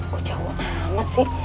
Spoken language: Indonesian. kok jauh amat sih